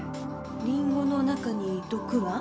リンゴの中に毒が？